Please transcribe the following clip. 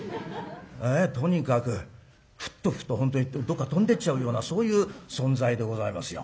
とにかくフッと吹くと本当にどっか飛んでっちゃうようなそういう存在でございますよ。